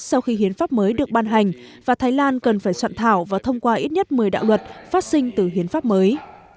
sau khi hiến pháp mới được ban hành và thái lan cần phải soạn thảo và thông qua ít nhất một mươi đạo luật phát sinh từ hiến pháp mới